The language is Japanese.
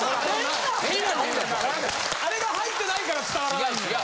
あれが入ってないから伝わらないんだよ。